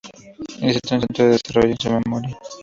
Existe un centro de desarrollo en su memoria.